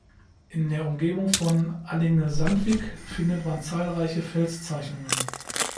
In der Umgebung von Allinge-Sandvig findet man zahlreiche Felszeichnungen.